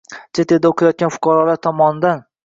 Chet elda o‘qiyotgan fuqarolar tomonidan